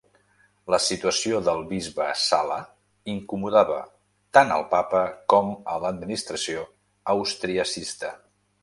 La situació del bisbe Sala incomodava tant al papa com a l'administració austriacista.